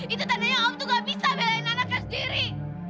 itu tandanya om tuh nggak bisa belain anaknya sendiri